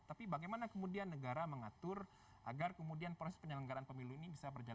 tapi bagaimana kemudian negara mengatur agar kemudian proses penyelenggaraan pemilu ini bisa berjalan